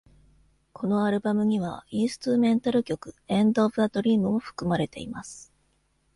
このアルバムには、インストゥルメンタル曲「End Of A Dream」も含まれています。